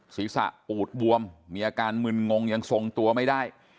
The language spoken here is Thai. ศีรษะปูดบวมมีอาการมึนงงยังทรงตัวไม่ได้